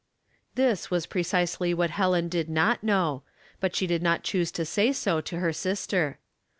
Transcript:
This was precisely what Helen did not know, but she did not choose to say so to her sister.